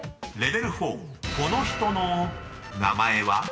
［この人の名前は？］